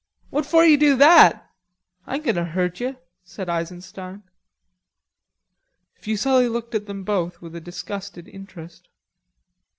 "What for you do that? I ain't goin' to hurt you," said Eisenstein. Fuselli looked at them both with a disgusted interest.